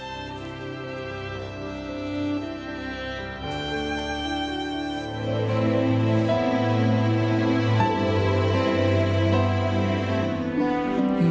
อัศวินทร์